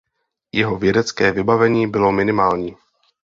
Jeho vědecké vybavení bylo minimální.